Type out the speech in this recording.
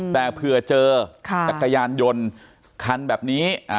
แต่เผื่อเจอจักรยานยนต์คันแบบนี้